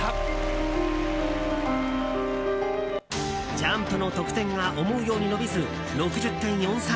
ジャンプの得点が思うように伸びず６０．４３。